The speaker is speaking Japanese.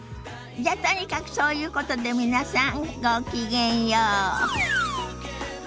じゃとにかくそういうことで皆さんごきげんよう。